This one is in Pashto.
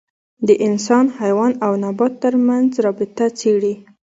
د انسان، حیوان او نبات تر منځ رابطه څېړي.